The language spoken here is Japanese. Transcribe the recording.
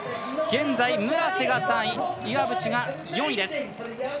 現在、村瀬が３位岩渕が４位です。